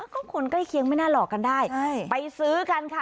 ก็คนใกล้เคียงไม่น่าหลอกกันได้ไปซื้อกันค่ะ